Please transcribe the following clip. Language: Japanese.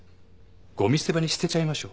ごみ捨て場に捨てちゃいましょう。